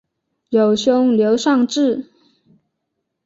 有兄刘尚质。